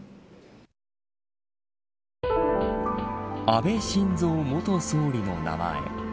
安倍晋三元総理の名前。